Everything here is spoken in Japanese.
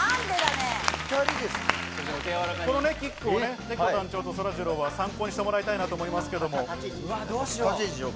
このキックをねこ団長とそらジローは参考にしてもらいたいと思いますが。